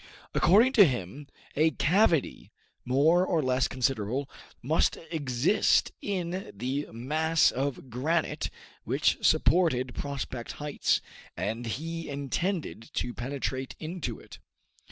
According to him, a cavity, more or less considerable, must exist in the mass of granite which supported Prospect Heights, and he intended to penetrate into it.